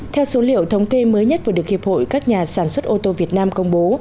theo số liệu thống kê mới nhất vừa được hiệp hội các nhà sản xuất ô tô việt nam công bố